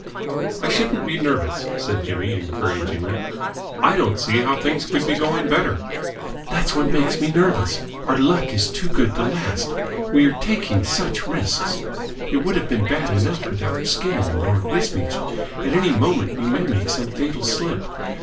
"I shouldn't be nervous," said Jimmy encouragingly. "I don't see how things could be going better." "That's what makes me nervous. Our luck is too good to last. We are taking such risks. It would have been bad enough without Skinner and Lord Wisbeach. At any moment you may make some fatal slip.